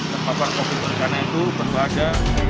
terpapar covid sembilan belas itu berbahaya